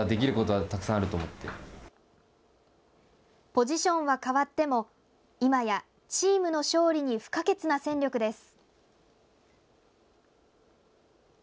ポジションは変わってもいまやチームの勝利に不可欠な戦力です。